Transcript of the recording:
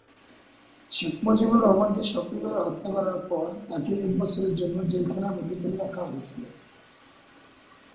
শেখ মুজিবুর রহমানকে সপরিবারে হত্যা করার পর তাকে এক বছরের জন্য জেলখানায় বন্দী করে রাখা হয়েছিল।